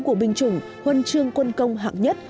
của binh chủng huân chương quân công hạng nhất